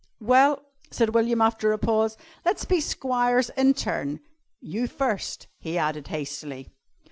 "Well," said William after a pause, "let's be squires in turn. You first," he added hastily.